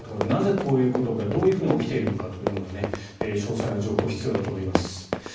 なぜこういうことがどういうふうに起きているのかということが詳細な情報が必要だと思います。